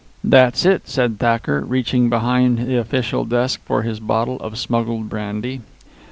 "That's it," said Thacker, reaching behind the official desk for his bottle of smuggled brandy.